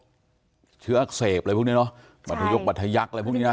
เชื้ออักเสบอะไรพวกนี้เนอะบัตทยกบัตรทยักษ์อะไรพวกนี้นะ